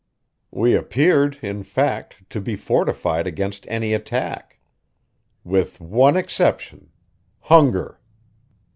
We appeared, in fact, to be fortified against any attack. With one exception hunger.